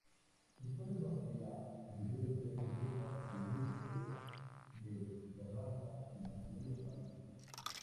Se pone bajo la obediencia directa del Obispo de Terrassa en Barcelona, España.